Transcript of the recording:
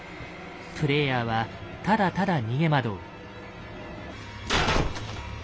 プレイヤーはただただ逃げ惑う。